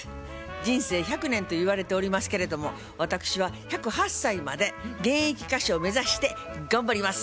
人生１００年といわれておりますけれども私は１０８歳まで現役歌手を目指して頑張ります。